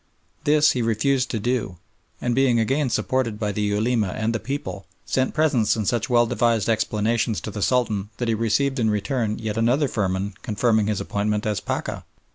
This he refused to do, and being again supported by the Ulema and the people, sent presents and such well devised explanations to the Sultan that he received in return yet another firman confirming his appointment as Pacha.